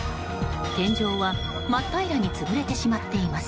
天井は真っ平らに潰れてしまっています。